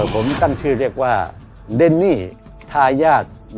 ผมตั้งชื่อเรียกว่า